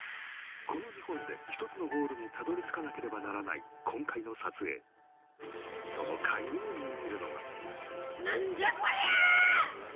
この２本で一つのゴールにたどり着かなければならない今回の撮影その鍵を握るのが何じゃこりゃあ！